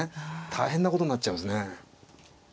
大変なことになっちゃいますね。